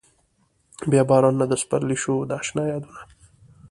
بيا بارانونه د سپرلي شو د اشنا يادونه